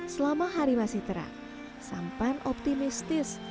selama hari masih terang sampan optimistis